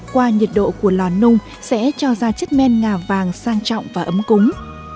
qua nhiệt độ của lò nung sẽ cho ra chất men ngà vàng sang trọng và ấm cúng